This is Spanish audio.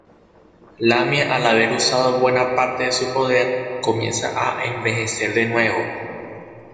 Lamia al haber usado buena parte de su poder, comienza a envejecer de nuevo.